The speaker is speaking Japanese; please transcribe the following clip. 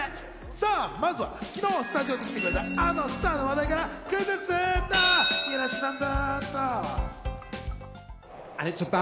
さぁ、まずは昨日スタジオに来てくれた、あのスターの話題からクイズッスっと！